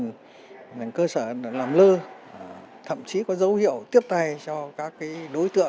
cơ sở làm lư thậm chí có dấu hiệu tiếp tay cho các cái đối chức các cơ sở làm lư thậm chí có dấu hiệu tiếp tay cho các cái đối chức